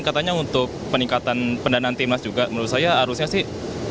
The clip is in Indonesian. katanya untuk peningkatan pendanaan timnas juga menurut saya harusnya sih